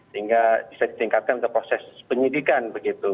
sehingga bisa ditingkatkan ke proses penyelidikan begitu